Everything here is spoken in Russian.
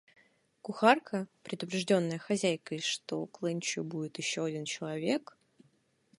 Кухарка, предупрежденная хозяйкой, что к ленчу будет еще один человек,